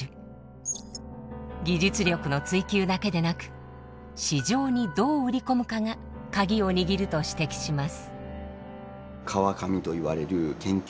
技術力の追求だけでなく市場にどう売り込むかがカギを握ると指摘します。